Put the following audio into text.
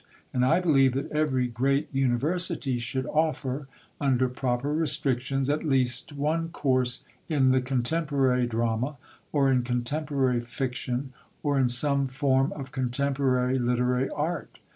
And I believe that every great university should offer, under proper restrictions, at least one course in the contemporary drama, or in contemporary fiction, or in some form of contemporary literary art.